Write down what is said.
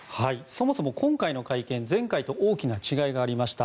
そもそも今回の会見前回と大きな違いがありました。